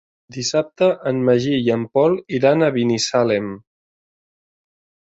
Dissabte en Magí i en Pol iran a Binissalem.